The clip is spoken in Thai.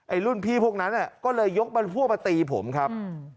รุ่นพี่พวกนั้นก็เลยยกมันพวกมาตีผมครับ